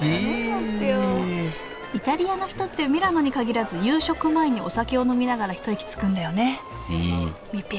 イタリアの人ってミラノにかぎらず夕食前にお酒を飲みながら一息つくんだよね